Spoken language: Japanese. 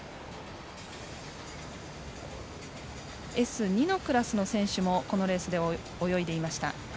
Ｓ２のクラスの選手もこのレースで泳いでいました。